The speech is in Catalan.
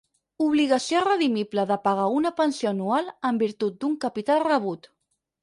Obligació redimible de pagar una pensió anual en virtut d'un capital rebut.